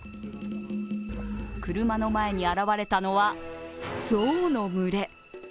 車の前に現れたのは象の群れ。